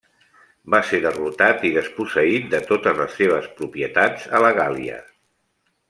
Va ser derrotat i desposseït de totes les seves propietats a la Gàl·lia.